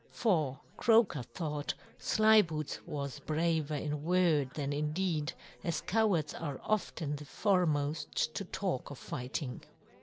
For Croaker thought Slyboots was braver in word than in deed, as cowards are often the foremost to talk of fighting.